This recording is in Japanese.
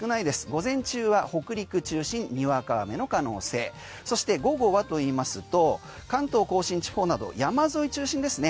午前中は北陸中心にわか雨の可能性そして午後はといいますと関東・甲信地方など山沿い中心ですね。